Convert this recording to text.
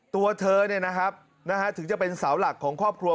ตัวเธอเนี่ยนะครับถึงจะเป็นเสาหลักของครอบครัว